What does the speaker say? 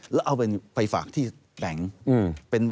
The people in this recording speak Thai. แล้วเอาไปฝากที่แบงค์